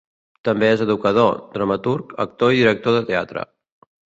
També és educador, dramaturg, actor i director de teatre.